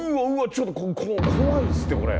ちょっと怖いですってこれ！